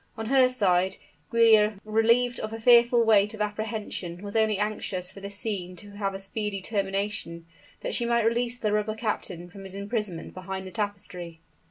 On her side Giulia, relieved of a fearful weight of apprehension, was only anxious for this scene to have a speedy termination, that she might release the robber captain from his imprisonment behind the tapestry.